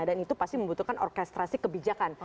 dan itu pasti membutuhkan orkestrasi kebijakan